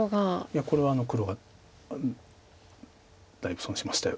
いやこれは黒がだいぶ損しました。